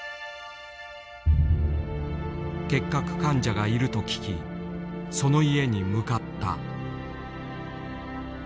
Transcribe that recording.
結核患者がいると聞きその家に向かった。